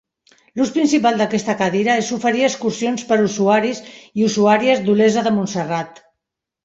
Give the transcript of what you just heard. L'ús principal d'aquesta cadira és oferir excursions per usuaris i usuàries d'Olesa de Montserrat.